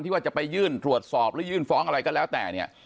ว่าจะไปยื่นตรวจสอบหรือยื่นฟ้องอะไรก็แล้วแต่เนี่ย